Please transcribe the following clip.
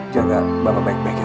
jangan bapak baik baiknya bu